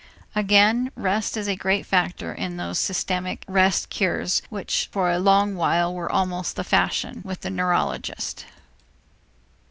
Again rest is a great factor in those systematic rest cures which for a long while were almost the fashion with the neurologist.